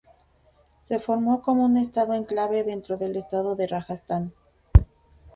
Se formó como un enclave dentro del estado de Rajastán.